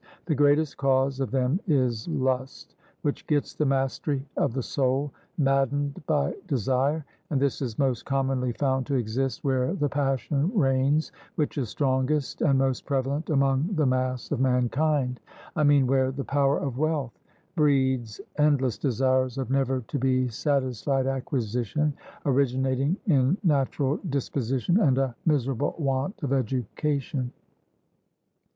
The greatest cause of them is lust, which gets the mastery of the soul maddened by desire; and this is most commonly found to exist where the passion reigns which is strongest and most prevalent among the mass of mankind: I mean where the power of wealth breeds endless desires of never to be satisfied acquisition, originating in natural disposition, and a miserable want of education.